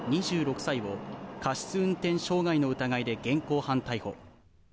２６歳を過失運転傷害の疑いで現行犯逮捕。